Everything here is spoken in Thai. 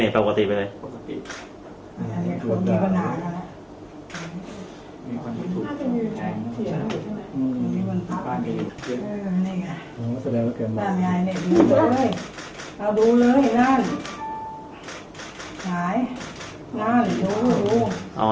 ปกติไปเลยเนี่ยไปปกติไปเลย